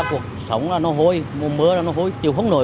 quận một mươi hai đang gánh chịu hàng ngày